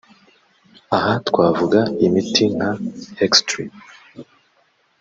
aha twavuga imiti nka hextril